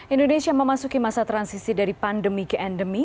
indonesia memasuki masa transisi dari pandemi ke endemi